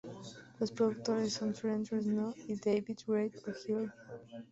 Los productores son Trent Reznor y David "Rave" Ogilvie.